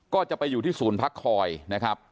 ก็จะไปอยู่ที่ศูนย์พักคอยนะครับ